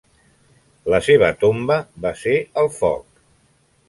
La seva tomba va ser el foc.